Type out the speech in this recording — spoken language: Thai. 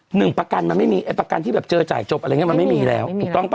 หนึ่งประกันมันไม่มีประกันที่เจอจ่ายจบมันไม่มีแล้ว